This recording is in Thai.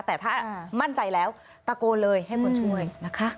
แต่ถ้ามั่นใจแล้วตะโกนเลยให้คนช่วยนะคะ